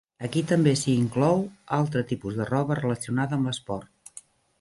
Aquí també s"hi inclou altre tipus de roba relacionada amb l"esport.